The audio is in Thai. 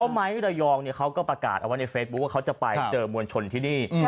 ไม้ระยองเขาก็ประกาศเอาไว้ในเฟซบุ๊คว่าเขาจะไปเจอมวลชนที่นี่